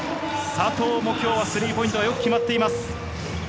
佐藤も今日はスリーポイントはよく決まっています。